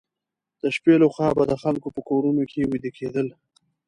د شپې لخوا به د خلکو په کورونو کې ویده کېدل.